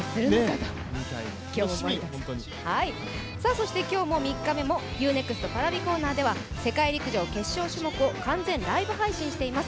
そして今日３日目もＵ−ＮＥＸＴＰａｒａｖｉコーナーでは世界陸上決勝種目を完全ライブ配信しています。